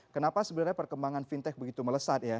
kenapa sebenarnya perkembangan fintech begitu melesat ya